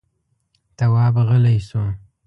تواب غلی شو.